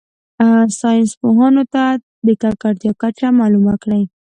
ساینس پوهانو ته د ککړتیا کچه معلومه کړي.